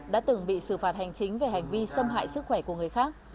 đã từng bị xử phạt hành chính về hành vi xâm hại sức khỏe của người khác